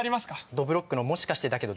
どぶろっくの『もしかしてだけど』。